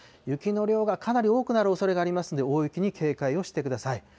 雪の量がかなり多くなるおそれがありますので、大雪に警戒をしてください。